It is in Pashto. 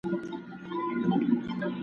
څنګه ظالمان د عدالت منګولو ته سپارل کیږي؟